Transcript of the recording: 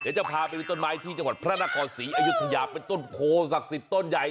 จะพาไปดูต้นไม้ที่จังหวัดพระนครศรีอยุธยาเป็นต้นโพศักดิ์สิทธิ์ต้นใหญ่